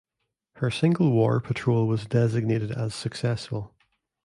Her single war patrol was designated as "successful".